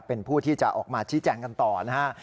เป็นผู้ที่จะออกมาชี้แจงกันต่อนะฮะ